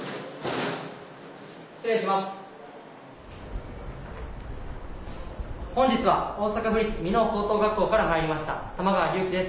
・失礼します・本日は大阪府立箕面高等学校からまいりました玉川竜生です。